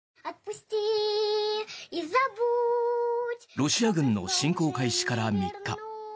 ロシア軍の侵攻開始から３日。